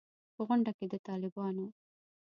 په غونډه کې د طالبانو